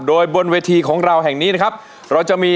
โดยบนวีธีของเราแห่งนี้นะครับ